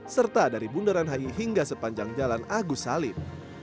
serta dari bundaran hi hingga sepanjang jalan agus salim